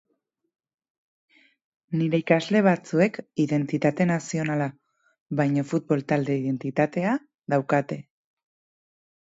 Nire ikasle batzuek identitate nazionala baino futbol-talde identitatea daukate.